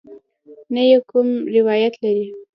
نه یې کوم روایت لرې.